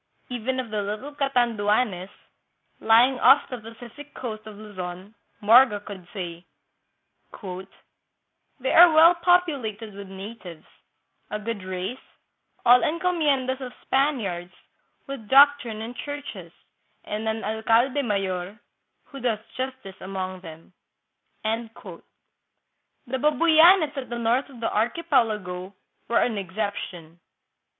Even of the little Catanduanes, lying off the Pacific coast of Luzon, Morga could say, " They are well populated with natives, a good race, all en 156 THREE HUNDRED YEARS AGO. 157 comiencfas of Spaniards, with doctrine and churches, and an alcalde mayor, who does justice among them." The Babuyanes at the north of the archipelago were an exception.